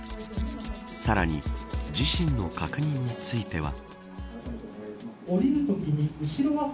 さらに自身の確認については。